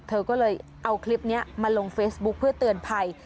เธอก็เลยเอาคลิปนี้มาลงเฟซบุ๊คเพื่อเตือนภัย